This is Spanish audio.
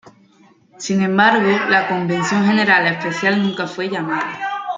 Sin embargo, la Convención General Especial nunca fue llamada.